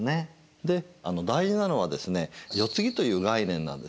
で大事なのはですね世継ぎという概念なんですね。